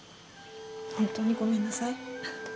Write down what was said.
本当にごめんなさい。